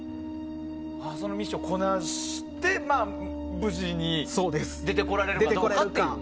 そのミッションをこなして無事に出てこられるかと。